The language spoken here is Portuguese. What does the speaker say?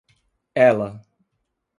Ela!